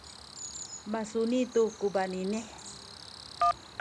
masuni tu ku baninih